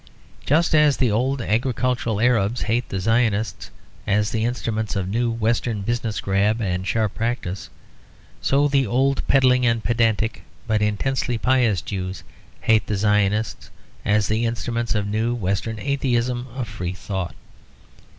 Just as the old agricultural Arabs hate the Zionists as the instruments of new Western business grab and sharp practice; so the old peddling and pedantic but intensely pious Jews hate the Zionists as the instruments of new Western atheism of free thought.